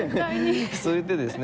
それでですね